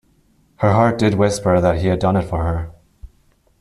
Her heart did whisper that he had done it for her.